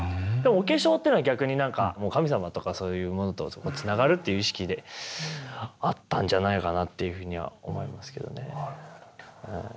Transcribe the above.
お化粧ってのは逆になんか神様とかそういうものとつながるという意識であったんじゃないかなっていうふうには思いますけどね。